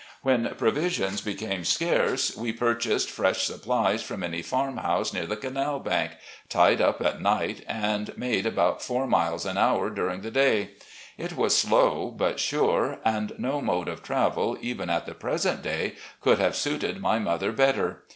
When provisions became scarce we purchased fresh supplies from any farm house near the canal bank, tied up at night, and made about four miles an hour during the day. It was slow but sure, and no mode of travel, even at the present day, could have suited my mother better.